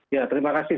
ya terima kasih